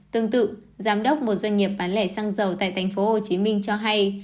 tương tự giám đốc một doanh nghiệp bán lẻ xăng dầu tại tp hcm cho hay